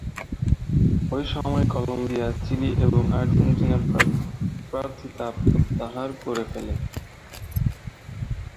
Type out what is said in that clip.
ঐ সময়ে Colombia, Chile এবং আর্জেন্টিনা প্রার্থীতা প্রত্যাহার করে ফেলে।